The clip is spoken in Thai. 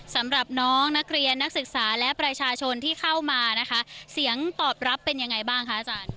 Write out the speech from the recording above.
สำหรับน้องนักเรียนนักศึกษาและประชาชนที่เข้ามานะคะเสียงตอบรับเป็นยังไงบ้างคะอาจารย์